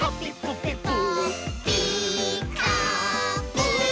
「ピーカーブ！」